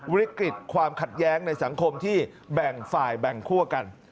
วิกฤตความขัดแย้งในสังคมที่แบ่งฝ่ายแบ่งคั่วกัน